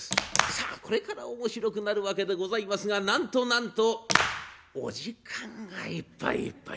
さあこれから面白くなるわけでございますがなんとなんとお時間がいっぱいいっぱい。